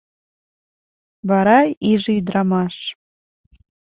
Вара иже ӱдрамаш.